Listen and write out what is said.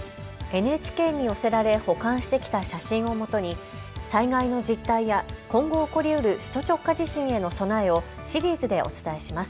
ＮＨＫに寄せられ保管してきた写真をもとに災害の実態や今後、起こりうる首都直下地震への備えをシリーズでお伝えします。